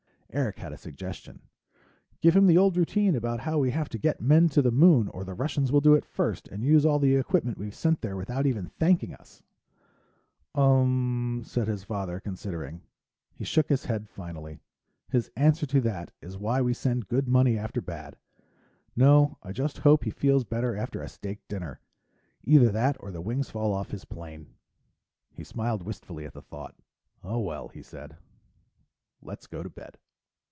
Eric had a suggestion. "Give him the old routine about how we have to get men to the Moon or the Russians will do it first and use all the equipment we've sent there without even thanking us." "Umm," said his father, considering. He shook his head finally. "His answer to that is why send good money after bad. No. I just hope he feels better after a steak dinner. Either that or the wings fall off his plane." He smiled wistfully at the thought. "Oh, well," he said, "let's go to bed."